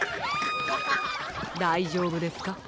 だいじょうぶですか？